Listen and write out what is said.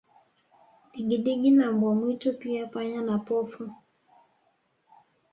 Digidigi na mbwa mwitu pia panya na pofu